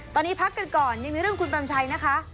ตอนนี้พักกันก่อนยังมีเรื่องคุณเปรมชัยนะคะ